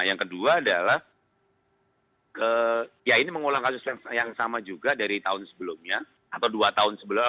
yang kedua adalah ya ini mengulang kasus yang sama juga dari tahun sebelumnya atau dua tahun sebelumnya